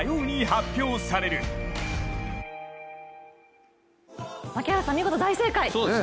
槙原さん、見事大正解。